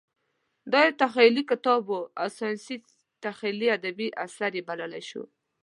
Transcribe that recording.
دا یو تخیلي کتاب و او ساینسي تخیلي ادبي اثر یې بللی شو.